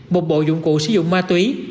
một bộ dụng cụ sử dụng ma túy